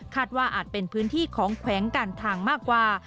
ว่าอาจเป็นพื้นที่ของแขวงการทางมากกว่า